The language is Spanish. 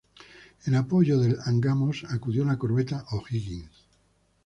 En apoyo del "Angamos" acudió la corbeta O'Higgins.